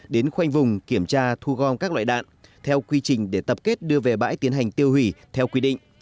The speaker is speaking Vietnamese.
đến khoanh vùng kiểm tra thu gom các loại đạn theo quy trình để tập kết đưa về bãi tiến hành tiêu hủy theo quy định